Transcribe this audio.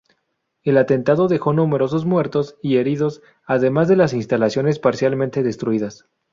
El atentado dejó numerosos muertos y heridos, además de las instalaciones parcialmente destruidas.